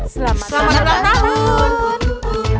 selamat ulang tahun